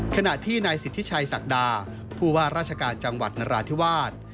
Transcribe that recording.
ขณะที่นายสิทธิชัยศักดาผู้ว่าราชการจังหวัดนราธิวาส